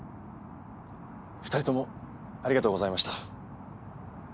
２人ともありがとうございました。